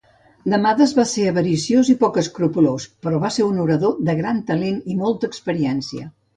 Demades va ser avariciós i poc escrupolós, però va ser un orador de gran talent i molta experiència.